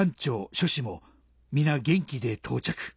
諸氏も皆元気で到着」